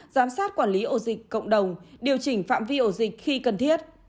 giám sát quản lý ổ dịch cộng đồng điều chỉnh phạm vi ổ dịch khi cần thiết